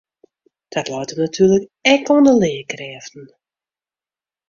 Dat leit him natuerlik ek oan de learkrêften.